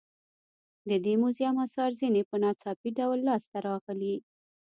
د دې موزیم اثار ځینې په ناڅاپي ډول لاس ته راغلي.